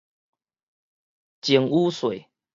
贈與稅